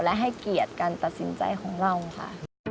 และให้เกียรติการตัดสินใจของเราค่ะ